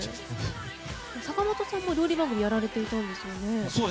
坂本さんも料理番組をやられてたんですよね。